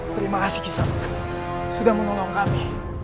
terima kasih kisah sudah menolong kami